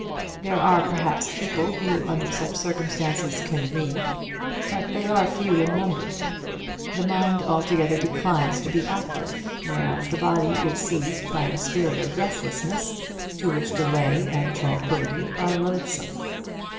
There are, perhaps, people who under such circumstances can read, but they are few in number. The mind altogether declines to be active, whereas the body is seized by a spirit of restlessness to which delay and tranquillity are loathsome.